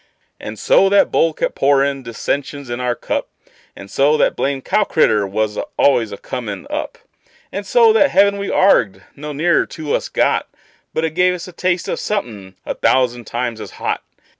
And so that bowl kept pourin' dissensions in our cup; And so that blamed cow critter was always a comin' up; And so that heaven we arg'ed no nearer to us got, But it gave us a taste of somethin' a thousand times as hot.